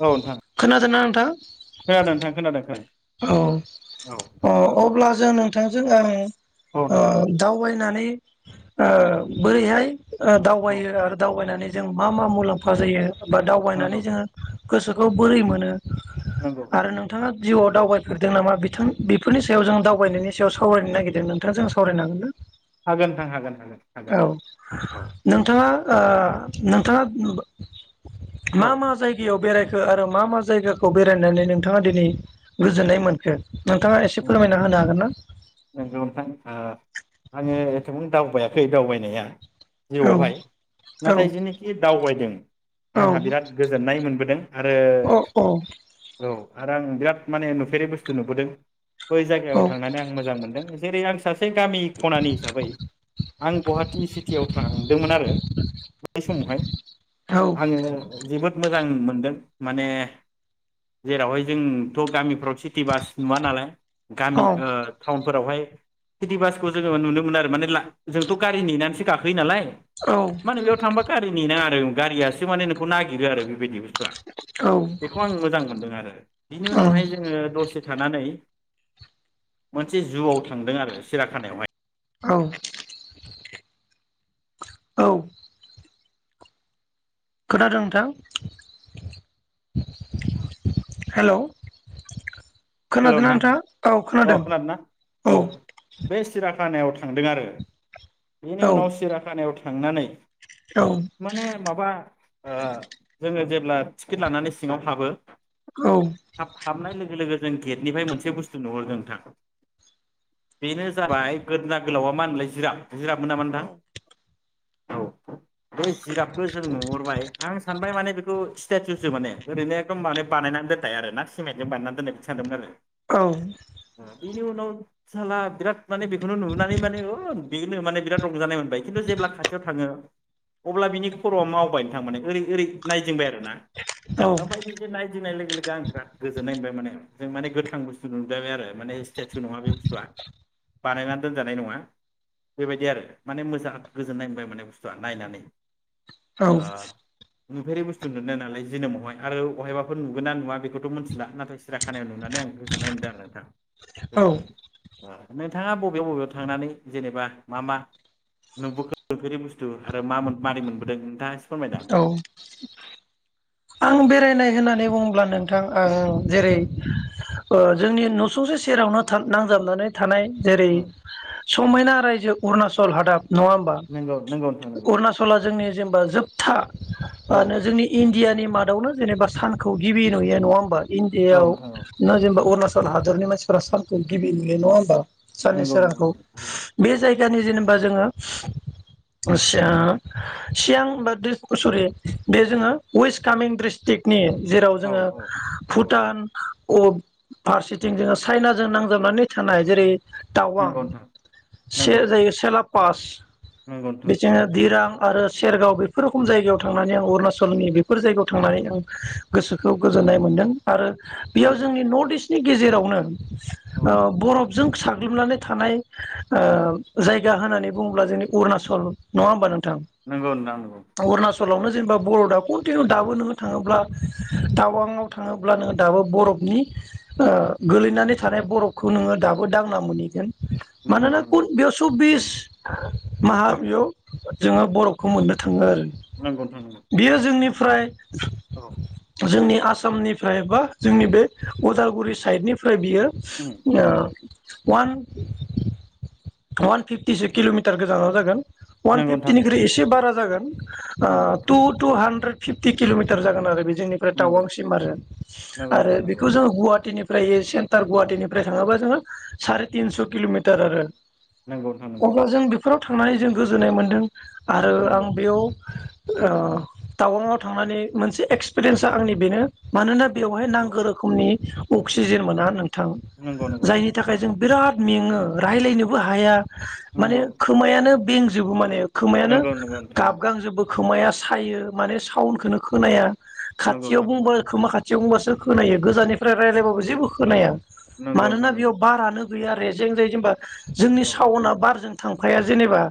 औ नोंथां खोनादोना थां खोनादों नोंथां खोनादों खोनादों खोनादों औ औ अ अब्ला जों नों थांजों औ औ ओ नोंथां दावबायनानै ओ बोरैहाय ओ औ दावबायो ओ आरो दावबायनानै जों मा मा मुलाम्फा जायो? बा दावबायनानै नंगौ जोङो गोसोखौ बोरै मोनो नंगौ आरो नोंथाङा जिउआव दावबायफेरदों नामा बिथां बेफोरनि सायाव जों दावबायनायनि सायाव सावरायनो नागिरदों नोंथांजों जों सावरायनांगोन ना? हागोन नोंथां हागोन हागोन औ हागोन औ नोंथाङा ओ नोंथाङा औ मा मा जायगायाव बेराय खो आरो मा मा जायगाखौ बेरायनानै नोंथाङा दिनै गोजोननाय मोनखो? नोंथाङा एसे फोरमायना होनो हागोन ना? नंगौ नोंथां ओ आङो एथेबां दावबायाखै दावबायनाया जिउआवहाय औ औ नाथाय जेनोखि दावबायदों आंहा बिराद गोजोननाय मोनबोदों आरो औ आरो आं बिराद माने नुफेरै बुस्थु नुबोदों बै जायगायाव औ-औ-औ-औ-औ-औ-औ-औ-औ थांनानै आं मोजां मोनदों। जेरै आं सासे गामि खनानि हिसाबै आं गुवाहाटि सिटियाव थांदोंमोन आरो बै समावहाय आङो जोबोद मोजां मोनदों माने जेरावहाय जोंथ' गामिफ्राव सिटि बास नुवा नालाय गामि ओ थाउन फोरावहाय सिटि बासखौ जोङो नुनो मोनो आरो माने जोंथ' गारि नेनानैसो गाखोयो नालाय औ मा होनो बेयाव थामबा गारिनि नेनाङा आरो गारियासो माने नोंखौ नागिरो आरो बेबायदि बुस्थ आ बेखौ आं मोजां मोनदों आरो बिनि उनावहाय जोङो दसे थानानै मोनसे जुआव थांदों आरो सिराखानायावहाय औ औ खोनादों नोंथां हेलौ हेल' खोनादोंना नोंथां नोंथाङा? औ अ खोनादों औ खानायाव थांदों आरो बेनि उनाव सिराखानायाव थांनानै माने माबा ओ जोङो जेब्ला टिकेट लानानै सिङाव हाबो औ-औ-औ-औ-औ-औ-औ-औ हाब-हाबनाय लोगो लोगो जों गेटनिफ्राय मोनसे बुस्थु नुहरदों नोंथां बेनो जाबाय गोदना गोलावा मा होनोमोनलाय जिराफ जिराब मोन नामा नोंथां? औ औ बे जिराबखौ जों नुहरबाय आं सानबाय माने बेखौ स्टेटउसो माने ओरैनो एखदम माने बानायनानै दोननाय आरो ना सिमेटजों बानायनानै दोननाय सानदोंमोन आरो। औ बिनि उनाव फिसाला बिराद माने बेखौनो नुहुनानै माने ओग बेनो माने बिराद रंजानायमोन। खिन्थु जेब्ला खाथियाव थाङो अब्ला बिनि खरआ मावबाय नोंथां माने ओरै ओरै नायजेंबाय आरो ना ओमफाय बिदि नाय गिदिंनाय लोगो लोगो आं बिराद गोजोन्नाय होनबाय माने जों माने गोथां बुस्थु नुजायबाय आरो माने स्टेसु नङा बे बुस्थुआ बानायना दोनजानाय नङा बेबायदि आरो माने मोजां गोजोननाय मोनबाय माने बुस्थुआ नायनानै औ ओ नुफेरै बुस्थु नुनो नालाय जोनोमावहाय आरो बहायबाफोर नुगोना नुवा बेखौथ' मिथिला नाथाय सिरियाखानायाव नुनानै आं गोजोन्नाय मोनदों आरो नोंथां। बेबायदि ओ नोंथाङा बबे बबेयाव थांनानै जेनेबा मा मा नुबोखो नुफेरि बुस्थु आरो मा मोन मारै मोनबोदों नोंथाङा? फोरमायनो औ हागोन आं बेरायनाय होननानै बुङोब्ला नोंथां ओ जेरै ओ जोंनि न सुंसे सेरावनो था नांजाबनानै थानाय जेरै ना समायना रायजो अरुणाचल हादाब नङा होमबा नंगौ नंगौ नोंथां नंगौ अरुणाचला जोंनि जेनेबा जोब था औ मानो जोंनि इण्डिया नि मादावनो जेनेबा सानखौ गिबि नुयो नङा होमबा औ इण्डियाआव नोंथां औ न जेनेबा अरुणाचल हादरनि मानसिफोरा सानखौ गिबि नुयो नङा होनोमबा साननि नंगौ नंगौ सोरांखौ नोंथां नंगौ बे नंगौ जायगानि जेनेबा बो जोंङो ओ सियां सियां होम कसुरि बे जोङो वेस्ट कामिं डिस्ट्रिक्टनि जेराव औ जोङो औ औ नोंथां भुटान कब फारसेथिं जोङो चाइनाजों नांजाबनानै थानाय जेरै दाववां नंगौ नोंथां से नंगौ जायो सेलाब पास नंगौ नोंथां बेसार दिरां आरो सेरगाव बो फोरो खम जायगायाव थांनानै आं अरुणाचलनि बेफोर जायगायाव थांनानै आं गोसोखौ गोजोननाय मोन्दों आरो बेयाव नंगौ जोंनि नर्थ इस्ट नि गेजेरावनो औ औ‌ बर' जों साग्लोबनानै थानाय ओ जायगा होननानै बुङोब्ला जोंनि अरुणाचल नङा होमबा नों नंगौ नोंथां नंगौ अरुणाचलावनो जेनेबा बरफ दा कन्टिनिउ दाबो नोङो थाङोब्ला टावांआव थाङोब्ला नोङो दाबो बरफनि ओ गोलैनानै थानाय बरफखौ नोङो दाबो दांना मोनहैगोन नंगौ मानोना खन बियाव सबबिस माहा बेयाव जोङो बरफखौ मोननो था थाङो आरो नंगौ नोंथां नंगौ नोंथां नंगौ बेयो जोंनि फ्राय औ जोंनि आसामनिफ्राय बा जोंनि बे अदालगुरि साइडनिफ्राय फ्राय बियो उम उम ओ अवान अवान फिफ्टिसो किल'मिटार गोजानाव जागोन अवान नंगौ नोंथां फिफ्टिनिख्रुइ एसे बारा जागोन आ‌ नंगौ नंगौ टु टुआ हानद्रेद फिफटि किल'मिटार जागोन आरो बे जोंनिफ्राय टावांसिम‌ आरो नंगौ आरो नोंथां नंगौ बेखौ जोङो गुवाहाटिनि फ्रायो सेन्टार गुवाहाटिनिफ्राय थाङोबा जोङो साराय तिनस' किल'मिटार आरो नंगौ थां नांगौ फोराव थांनानै जों गोजोननाय मोन्दों आरो आं औ‌ आ टावांआव थांनानै मोनसे एक्सपिरियेन्सा आंनि बेनो मानोना बेवहाय नांगौ रोखोमनि अक्सिजेन मोना नों थां नंगौ जायनि थाखाय जों बिराद मेङो रायज्लायनोबो हाया माने खोमायानो बें जेबो माने खोमायानो नोंथां नंगौ गाबगां जोबो खोमाया सायो माने साउन्डखौनो खोनाया। खाथियाव नंगौ बुंबा खोमा खाथि थियाव बुंबासो खोनायो गोजाननिफ्राय रायज्लायबाबो जेबो खोनाया। मानोना बेयाव बारानो गैया रेजें जायो जेबा जोंनि औ सावना बारजों थांफाया जेनेबा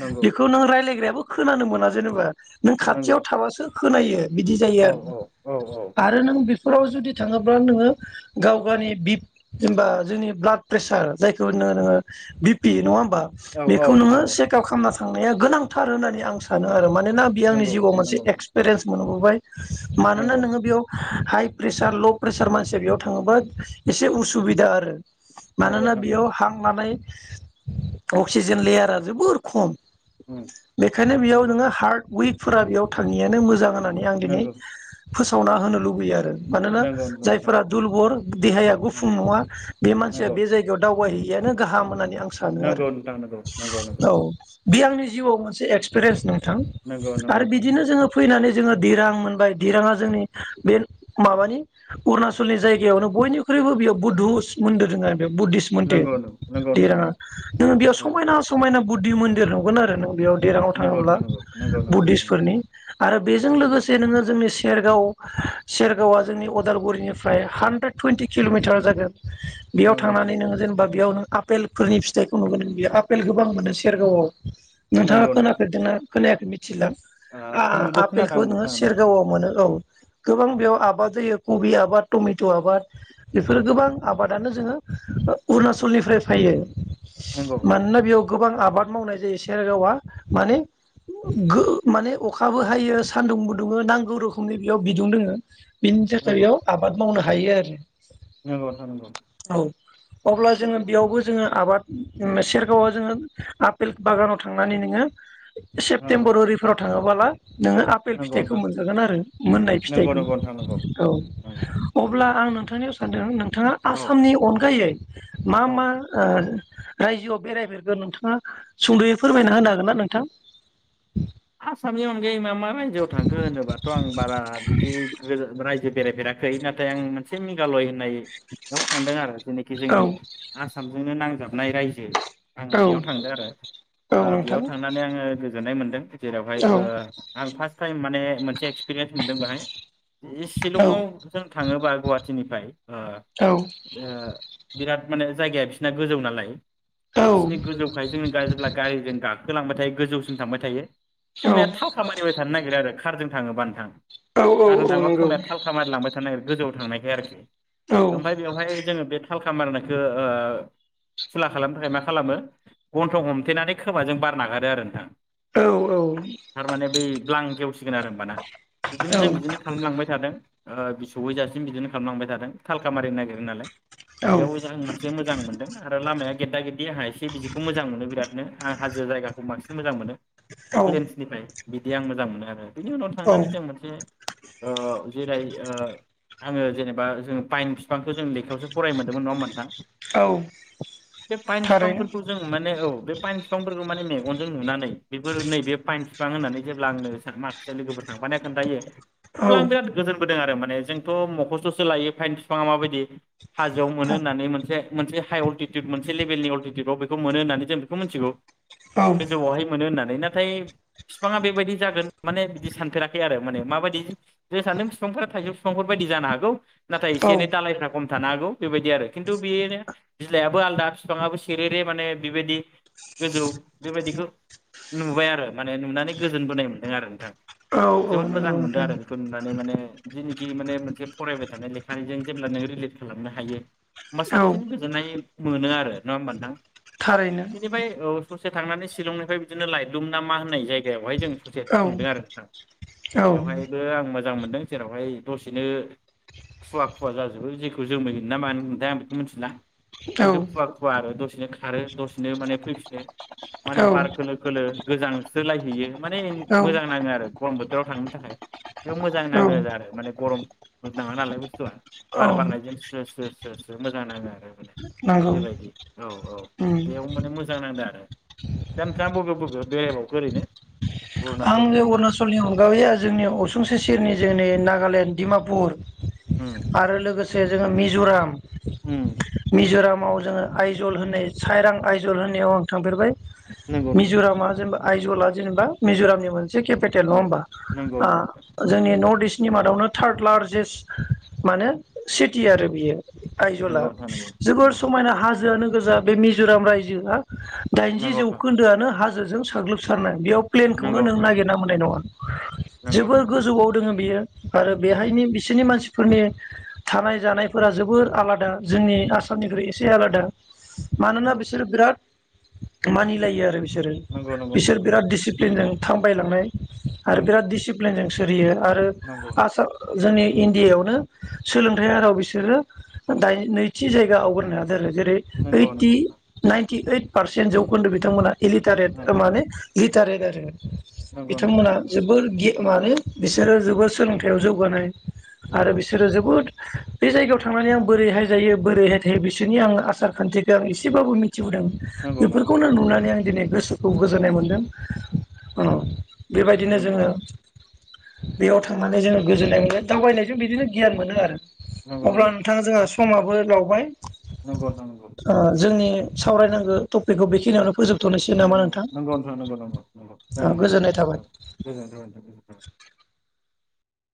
नंगौ बेखौ नों रायज्लग्रायाबो खोनानो मोना जेनेबा। नों नंगौ नोंथां नंगौ नोंथां नंगौ नोंथां नंगौ नोंथां नंगौ औ नंगौ नंगौ खाथियाव थाबासो खोनायो बिदि जायो औ आरो कि औ औ औ आरो नों फोराव जुदि थाङोब्ला नोङो गाव गावनि बि जेनबा जोंनि ब्लाड प्रेसार जायखौ नोङो नोङो बिपि नङा औ औ बेखौ नोङो नोंथां औ सेखाब खालाम थांनाया गोनांथार होननानै आं सानो आरो मा मानोना बेयो आंनि नंगौ जिउआव मोनसे नंगौ नोंथां एक्सपिरियेन्स मोनबो मानोना नंगौ नोङो नोंथां बेयाव हाइ प्रेसार ल' प्रेसार मानसिया बेयाव थाङोबा एसे उसुबिदा आरो नंगौ मानोना नोंथां नंगौ बेयाव हांलानाय अक्सिजेन लेयारा जोबोर खम उ बेखायनो बेयाव जनोङो हार्ड वइक फोरा बेयाव थांनाययानो मोजां आरो नानै आं दिनै नंगौ फोसावना होनो लुुबैयो आरो मानोना नंगौ नंगौ नोंथां जायफोरा दलबर देहाया उम गुफुं नङा बे मानसिया नंगौ बे जायगायाव दावबायहैयो बेयनो गाहाम मोन सानो नंगौ नोंथां नंगौ नंगौ नंगौ आरो औ बे आंनि औ जिउआव एक्सपिरियेस नोंथां नंगौ नंगौ आरो नोंथां बिदिनो जोङो फैनानै नानै जोङो दिरां मोनबाय दिराङा जोंनि बे माबानि अरुणाचलनि जायगायावनो बयनिख्रुबो बेयाव बुधु मोन्दो दोङ आरो। बुद्धि मोनथे नंगौ नंगौ दिराङा नंगौ नोङ बेयाव समायना समायना बुददि मन्दिर नुगोन आरो नों बेयाव दिराङाव थाङोब्ला नंगौ नोंथां बुद्धिसफोरनि आरो बेजों नंगौ औ नंगौ नोंथां नंगौ लोगोसे नोङो जोंनि सेरगाव सेरगावा जोंनि अदालगुरिनिफ्राय हानड्रेड टुइन्टि किलमिटार जागोन। बेयाव नंगौ नोंथां थांनानै नोङो जेनेबा बेयावनो आपेलफोरनि फिथाइखौ नुबोदों बियो आपेल गोबां मोनो सेरगावआव नोंथा नंगौ नंगौ नोंथां नंगौ खोनाफेरदोंना खोनायाखै मिथिलां नोंथां ओ नुदो खोनादों आ-आपेलखौ आंबो नोङो खोनानाया औ सेरगावआव मोनो औ गोबां उम बेयाव आबाद जायो। कबि आबाद टमेट आबाद बेफोरो उम गोबां आबाद दानो जोङो अरुणनाचलनिफ्राय फायो नंगौ मानोना बियाव गोबां आबाद मावनाय जायो सेरगावा माने गो-माने अखाबो हायो सान्दुंबो दुङो नांगौ रोखोमनि बेयाव बिदुं दोङो। बिनि थासारियाव आबाद मावनो हायो आरो नोंंगौ नोथां नंगौ औ अब्ला जोङो बेयावबो जोङो आबाद सेरगावा जोङो आपेल बागानाव थांनानै नोङो नंगौ नंगौ सेपतेम्बर ओरैफोराव थाङो [unintelligible] नोङो आपेल नंगौ फिथाइखौ नोंथां मोनजागोन आरो मोननाय नंगौ नंगौ फिथाइखौ नोंथां नंगौ औ नंगौ नंगौ अब्ला आं नोंथांनियाव सानदों नोंथाङा औ आसामनि अनगायै मा औ मा ओ रायजोआव बेरायफेरगोन नोंथाङा सुंदयै फोरमायना होनो हागोन ना? [unintelligible] [unintelligible] आसामनि अनगायै मा मा रायजोआव थांखो होनोबाथ' आं बारा बिदि रायजो बेरायफेराखै नाथाय आं मोनसे मेघालय होननाय बेयाव थांदों आरो जेनेखि जोंनि आसामजोंनो [unintelligible] [unintelligible] रायजो। आं औ बेयाव थांदों आरो औ ओ नोंथां बेयाव थांनानै आङो गोजोननाय मोनदों। बेवहाय ओ औ आं फास टाइम [unintelligible] माने मोनसे [unintelligible] एक्सपिरियेन्स मोनदों बेाहाय शिलंआव औ जों थाङोबा गुवाहाटिनिफ्राय औ ओ-ओ बिराद माने जायगाया बिसिना गोजौ नालाय औ बिसोरनि गोजौखाय जोंनि जेब्ला गारिजों गाखोलांबाय [unintelligible] गोजौसिम थांबाय थायो। खोमाया थाखा मानिबाय थानो नागिरा आरो। खारजों थाङोबा नोंथां। औ औ खारजों औ थांबा नंगौ खोमाया थालखा मारिलांबाय थानो नागोन गोजौआव थांनाय बे आरोखि औ ओमफ्राय बेवहाय जोङो बे थालखा मारनायखौ ओ खुला खालामनो थाखाय मा खालामो गन्थं हमथेनानै खोमाजों बार नागारो आरो नोंथां। औ। औ थारमाने बै ब्लां गेव [unintelligible] आरो होमबाना बिदिनो जों औ बिदिनो खालामलांबाय थादों। [unintelligible] जासिम बिदिनो खालामलांबाय थादों थालखा मारिनो नागिरो नालाय। बेयाव आं मोनसे मोजां मोनदों आरो लामाया गेदा- गेदि आंहा एसे बिदिखौ मोजां मोनो बिरादनो आं हाजो जायगाखौ बांसिन मोजां मोनो। औ [unintelligible] निफ्राय बिदि आं मोजां मोनो आरो। बिनि उनाव औ थांनानै जों मोनसे ओ जेरै ओ आङो जेनेबा जोङो पाइन बिफांखौ जों लेखायावसो फराय मोनदोंमोन नङा होनबा नोंथां! औ बे फाइन थारैनो बिफांफोरखौ जों माने औ बे पाइन फिफांफोरखौ माने मेगनजों नुनानै बेफोर नै बे बिफां होननानै जेब्ला आंनो माखासे लोगोफोर थांफा खोन्थायो औ अब्ला आं बिराद गोजोनबोदों आरो माने माने जोंथ' मखस्थ'सो लायो फाइन बिफाङा माबायदि हाजोआव मोनो औ होननानै मोनसे मोनसे हाइ अल्टिटिउद मोनसे लेभेलनि अल्टिटिउदआव बेखौ मोनो होननानै जों बेखौ मिथिगौ औ गोजौआवहाय मोनो होननानै नाथाय बिफाङा बेबायदि जागोन माने बिदि सानफेराखै आरो माने मा बायदि जे सानदों बिफांफोरा थाइजौ बिफांफोरबायदि जानो हागौ नाथाय एसे औ एनै दालायफ्रा खम थानो हागौ बेबायदि आरो खिन्थु बेनो बिलाइ आबो आलादा बिफाङाबो सेरे रे माने बेबायदि गोजौ बेबायदिखौ नुबाय आरो माने नुनानै गोजोन बोनाय मोन्दों आरो नोंथां औ जोबोद नंगौ मोजां मोनदों आरो नोंथां बेखौ नुनानै माने जेनेखि माने मोनसे फरायबाय थानाय लेखानिजों जेब्ला नों रिलेट खालामनो हायो होमबा औ साबसिन गोजोननाय मोनो आरो नङा होमबा नोंथां थारैनो बिनिफाय औ ससे थांनानै शिलंनिफ्राय बिदिनो लाइलुम ना मा होननाय जायो जायगायावहाय जों ससे औ थांदों आरो नोंथां औ बेवहायबो आं मो मोजां मोनदों जेरावहाय दसेनो खुवा खुवा जाजोबो जेखौ जोमै ना मा होनो मोनथाय आं बेखौ मिथिला खिन्थु औ खुवा खुवा आरो दसेनो खारो दसेनो माने फैफि [unintelligible] माने बार खोलो खोलो गोजांस्रोलायहैयो माने औ नंगौ मोजां नाङो आरो गरम बो गाव थांनो थाखाय बेयाव मोजां नाङो आरो माने गरम गोजाङो नालाय बुस्थुवा बार उम बारनायजों स्रो स्रो स्रो स्रो मोजां नाङो आरो माने बेबायदि औ औ बेयाव माने मोजां नांदों आरो दा नोंथाङा बबे बबे बेरायबावखो ओरैनो अरुणाचलनि आंनि अनगा अरुणाचलनि अनगायैया जोंनि असुंसे सेरनि जोंनि नागालेण्ड दिडमापुर उम आरो लोगोसे से जोङो मिज'राम उम माव जोङो आइजल होननाय साइरां आइजल होननायाव आं थांफेरबाय नंगौ नोंथां मिज'रामा जेनेबा आइजला जेनेबा मिज'रामनि मोन से केपिटेल नङा औ होमबा नंगौ नंगौ नोंथां ओ जोंनि नर्थ इस्ट थिनि मादावनो थार्ड लार्जेस्ट माने सिटि आरो बियो आइजला नंगौ नोंथां जोबोर नंगौ समायना हाजोआनो गोजा बे मिज'राम रायजोआ दाइनजि जौखोन्दोआनो हाज जों साग्लोबसारनाय बेयाव प्लेनखौनो नंगौ नों नागिरना मोन्नाय नङा। नंगौ जोबोर नोंथां गोजौआव दोङो बियो आरो बेहायनि बिससिनि मानसि फोरनि थानाय जानायफोरा जोबोर आलादा जोंनि आसामनिख्रुइ एसे आलादा। मानोना बिसोर बिराद मानिलायो आरो बिसोरो नंगौ बिसोर नोंथां बिराद दिसि नजों थामबायलांनाय आरो नंगौ बिराद दिसिप्लिनजों स [unintelligible] आरो नंगौ आसाम जोंनि इण्डियायावनो। सोलोंथाइ औ राव बिसोरो दायो नैथि जायगा आवग्रिनो हा दो आरो जेरै नंगौ ओइथि नंगौ ना टि ओइट पारसेन्ट जौखोन्दो बिथांमोना इलिथार माने [unintelligible] [unintelligible] नंगौ बिथांमोना नोंथां जोबोर गि मानो बिसोरो जोबोद सोलोंथायाइयाव जौगानाय आरो नंगौ बिसोरो जोबोद बे जायगायाव थांनानै आं बोरैहाय जायो बोरैहाय थायो बिसोरनि आं आसार खान्थिखौ आं एसेबाबो मिथ थिबोदों नंगौ बेफोरखौनो नुनानै आं दिनै गोसोखौ गोजोननाय मोन्दों। औ। बेबायदिनो जोङो औ बेयाव थांनानै जोङो गोजोननाय मोनो दावबायनायजों बिदिनो गियान मोनो आरो। नंगौ नंगौ अब्ला नोंथां जोंहा समाबो लावबाय। नंगौ नंगौ। ओ जोंनि सावरायनांगौ टपिकखौ बेखिनियावनो फोजोब नंगौ नंगौ नंगौ नोंथां नंगौ। औ जागोन नोंथां गोजोननाय जागोन थाबाय। जागोन गोजोनथों नोंथां गोजोनथों